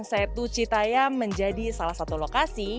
setu citayam menjadi salah satu lokasi